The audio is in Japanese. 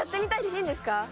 いいんですか？